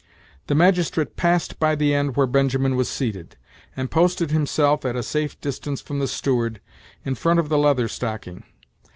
The magistrate passed by the end where Benjamin was seated, and posted himself, at a safe distance from the steward, in front of the Leather Stocking.